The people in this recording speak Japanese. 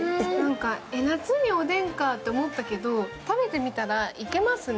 夏におでんかって思ったけど、食べてみたら、いけますね。